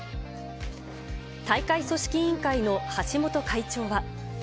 大会組織委員会の橋本会長は。